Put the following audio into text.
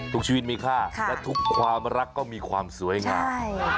ทุกชีวิตมีค่าและทุกความรักก็มีความสวยงาม